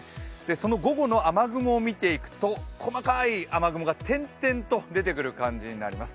その午後の雨雲を見ていくと細かい雨雲が点々と出てくる感じになります。